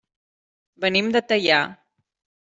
Venim de Teià.